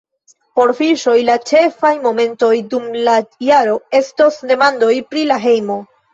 Por Fiŝoj la ĉefaj momentoj dum la jaro estos demandoj pri la hejmo.